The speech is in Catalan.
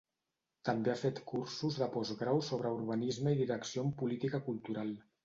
També ha fet cursos de postgrau sobre urbanisme i direcció en política cultural.